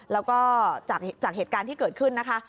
แล้วก็จากเหตุการณ์ที่เกิดขึ้นนะคะ